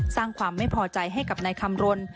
สร้างความไม่พอใจให้กับนายคำรณ